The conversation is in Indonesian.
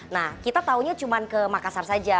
nah kita tahunya cuma ke makassar saja